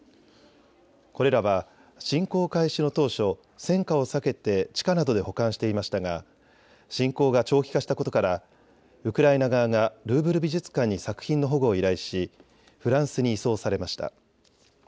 これらは侵攻開始の当初、戦火を避けて地下などで保管していましたが侵攻が長期化したことからウクライナ側がルーブル美術館に作品の保護を依頼しフランスに移送されました。